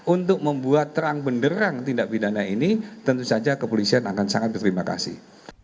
untuk membuat terang benderang tindak pidana ini tentu saja kepolisian akan sangat berterima kasih